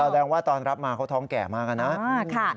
แสดงว่าตอนรับมาเขาท้องแก่มากนะ